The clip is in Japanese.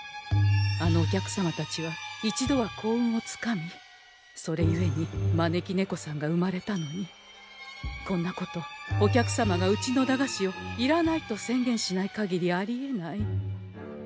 あのお客様たちは一度は幸運をつかみそれゆえに招き猫さんが生まれたのにこんなことお客様がうちの駄菓子を「いらない！」と宣言しないかぎりありえない。